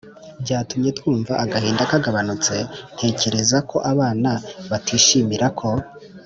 byatumye twumva agahinda kagabanutse Ntekereza ko abana batishimira ko